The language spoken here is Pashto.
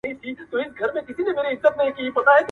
• زموږ وطن كي د دښـــــمــــن لاســـــونــه.